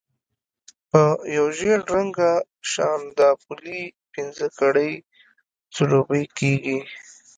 په یو ژېړ رنګه شانداپولي پنځه کړۍ ځلوبۍ کېږي.